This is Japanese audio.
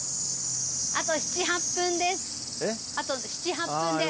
あと７８分で。